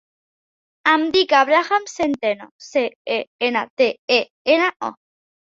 Em dic Abraham Centeno: ce, e, ena, te, e, ena, o.